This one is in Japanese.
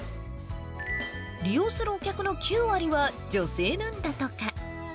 利用するお客の９割は女性なんだとか。